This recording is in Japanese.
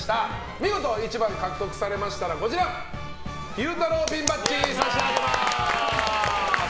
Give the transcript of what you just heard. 見事１番を獲得されましたら昼太郎ピンバッジを差し上げます。